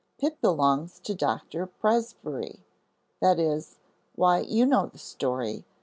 "Pip belongs to Doctor Presbrey; that is, why, you know the story.